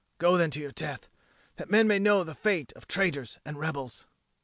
Go then to your death, that men may know the fate of traitors and of rebels."